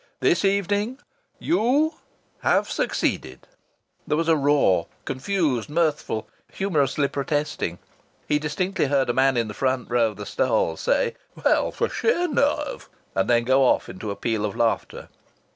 This evening you have succeeded!" There was a roar, confused, mirthful, humorously protesting. He distinctly heard a man in the front row of the stalls say: "Well, for sheer nerve !" And then go off into a peal of laughter.